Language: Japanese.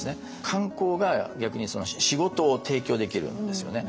観光が逆にその仕事を提供できるんですよね。